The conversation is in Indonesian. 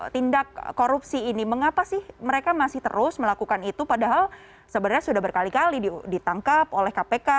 tindak korupsi ini mengapa sih mereka masih terus melakukan itu padahal sebenarnya sudah berkali kali ditangkap oleh kpk